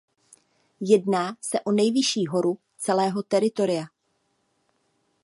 Jedná se o nejvyšší horu celého teritoria.